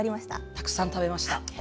たくさん食べました。